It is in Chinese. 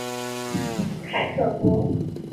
凯特波。